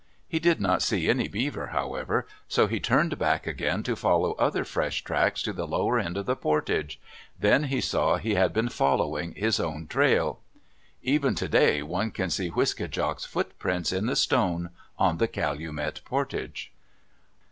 He did not see any beaver, however, so he turned back again to follow other fresh tracks to the lower end of the portage. Then he saw he had been following his own trail. Even today one can see Wiske djak's footprints in the stone on the Calumet portage.